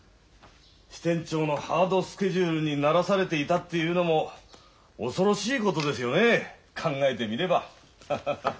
支店長のハードスケジュールに慣らされていたっていうのも恐ろしいことですよね考えてみればハハハ。